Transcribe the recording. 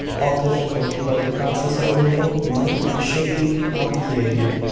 All difficulty about the process of removal might and should be obviated.